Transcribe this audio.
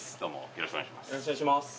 よろしくお願いします。